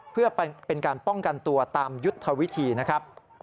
เพื่อเป็นการป้องกันตัวตามยุทธวิธีนะครับ